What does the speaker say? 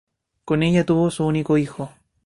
Con ella tuvo su único hijo.